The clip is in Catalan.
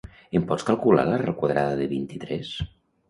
Em pots calcular l'arrel quadrada de vint-i-tres?